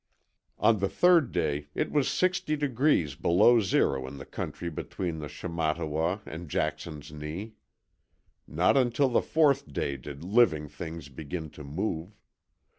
On the third day it was sixty degrees below zero in the country between the Shamattawa and Jackson's Knee. Not until the fourth day did living things begin to move.